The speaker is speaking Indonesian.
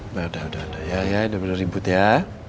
udah udah udah ya ya udah bener ribut ya